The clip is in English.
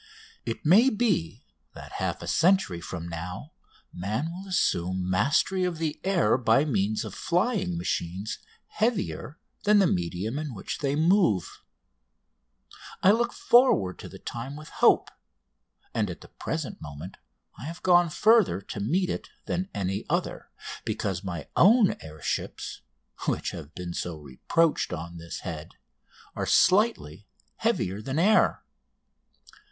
It may be that half a century from now man will assume mastery of the air by means of flying machines heavier than the medium in which they move. I look forward to the time with hope, and at the present moment I have gone further to meet it than any other, because my own air ships (which have been so reproached on this head) are slightly heavier than the air.